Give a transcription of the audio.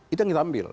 itu yang kita ambil